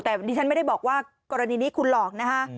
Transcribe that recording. แต่ดิฉันไม่ได้บอกว่ากรณีนี้คุณหลอกนะฮะ